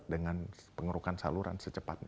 dengan pengurukan saluran secepatnya